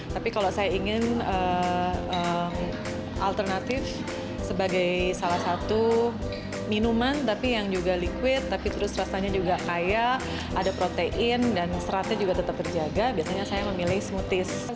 tapi kalau saya ingin alternatif sebagai salah satu minuman tapi yang juga liquid tapi terus rasanya juga kaya ada protein dan seratnya juga tetap terjaga biasanya saya memilih smoothies